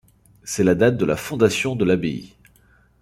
C’est la date de fondation de l’abbaye.